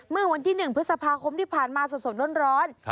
เมื่อวันที่๑พฤษภาคมที่ผ่านมาสดร้อน